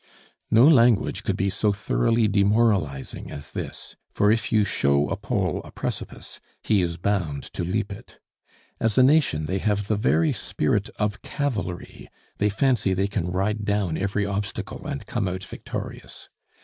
No language could be so thoroughly demoralizing as this; for if you show a Pole a precipice, he is bound to leap it. As a nation they have the very spirit of cavalry; they fancy they can ride down every obstacle and come out victorious.